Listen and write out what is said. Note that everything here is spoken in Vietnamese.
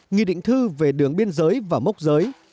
nghị định thư về đường biên giới và mốc giới